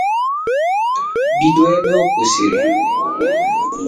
bido ebe ọ kwọsịrị